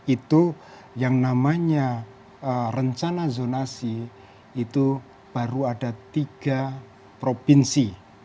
itu yang namanya rencana zonasi itu baru ada tiga provinsi